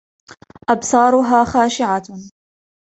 أبصارها خاشعة